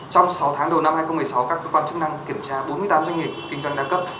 trong sáu tháng đầu năm hai nghìn một mươi sáu các cơ quan chức năng kiểm tra bốn mươi tám doanh nghiệp kinh doanh đa cấp